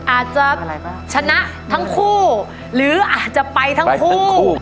อาจจะชนะทั้งคู่หรืออาจจะไปทั้งคู่